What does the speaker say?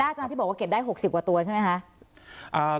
อาจารย์ที่บอกว่าเก็บได้๖๐กว่าตัวใช่ไหมคะ